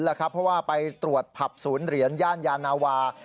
เพราะว่าไปตรวจผับศูนย์เหรียญย่านยานาวา